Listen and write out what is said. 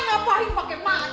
ngapain tuh pake melotot